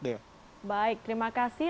baik terima kasih